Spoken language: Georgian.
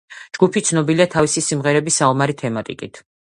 ჯგუფი ცნობილია თავისი სიმღერების საომარი თემატიკით.